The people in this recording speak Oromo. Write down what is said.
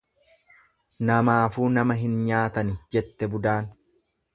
"""Namaafuu nama hin nyaatani"" jette budaan."